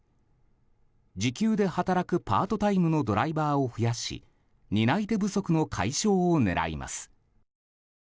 時給で働くパートタイムのドライバーを増やし担い手不足の解消を狙います。